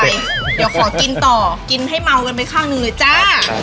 เดี๋ยวขอกินต่อกินให้เมากันไปข้างหนึ่งเลยจ้า